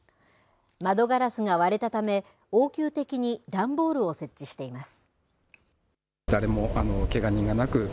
窓ガラスが割れたため応急的に段ボールを設置しています。